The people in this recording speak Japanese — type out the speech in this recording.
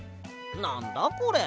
なんだこれ。